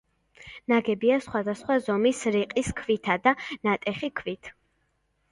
ნაგებია სხვადასხვა ზომის რიყის ქვითა და ნატეხი ქვით.